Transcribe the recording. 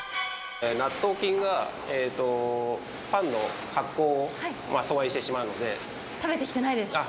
納豆菌がパンの発酵を阻害し食べてきてないです。